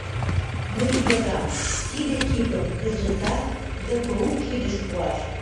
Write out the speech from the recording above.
Мый йодам: тиде типым кызытак ГПУ кидыш пуаш...